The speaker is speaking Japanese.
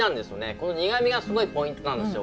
この苦みがすごいポイントなんですよ。